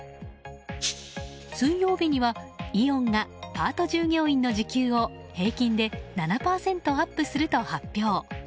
水曜日には、イオンがパート従業員の時給を平均で７％アップすると発表。